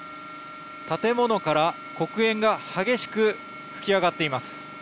建物から黒煙が激しく噴き上がっています。